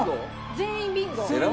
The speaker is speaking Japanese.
全員ビンゴ。